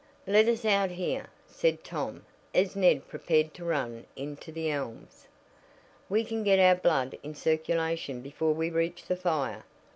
"Let us out here," said Tom as Ned prepared to run into The Elms. "We can get our blood in circulation before we reach the fire.